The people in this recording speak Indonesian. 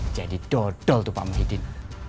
jadi dodol tuh pak muhyiddin